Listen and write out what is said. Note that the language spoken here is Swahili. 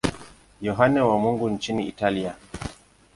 Yohane wa Mungu nchini Italia.